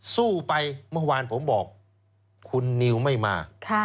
สู้ไปเมื่อวานผมบอกคุณนิวไม่มา